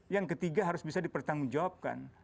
yang ketiga harus bisa dipertanggungjawabkan